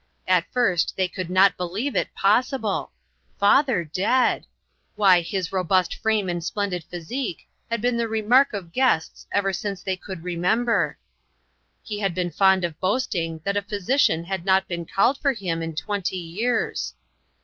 At first they could not believe it possible. Father dead! Why, his robust frame and WHY ? 25 splendid physique had been the remark of guests ever since they could remember! He had been fond of boasting that a physi cian had not been called for him in twenty years.